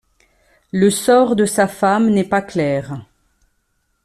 Le sort de sa femme n'est pas clair.